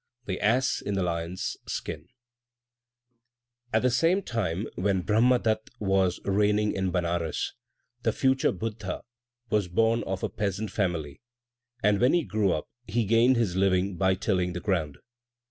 The Ass in the Lion's Skin At the same time, when Brahma datta was reigning in Benares, the future Buddha was born one of a peasant family; and when he grew up, he gained his living by tilling the ground.